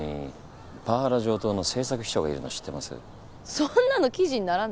そんなの記事にならない。